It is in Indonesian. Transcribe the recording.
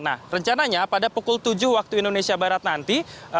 nah rencananya pada pukul tujuh waktu indonesia barat nanti